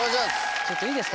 ちょっといいですか？